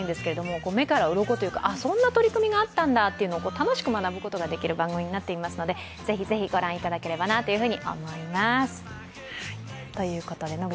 番組自体は長時間だなと思う方いると思いますが目からうろこというかそんな取り組みがあったんだというのが楽しく学ぶことができる番組になっていますので、ぜひぜひご覧いただければなと思います。